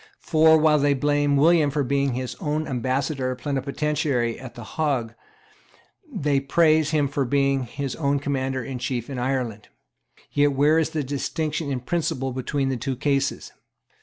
For, while they blame William for being his own Ambassador Plenipotentiary at the Hague, they praise him for being his own Commander in Chief in Ireland. Yet where is the distinction in principle between the two cases?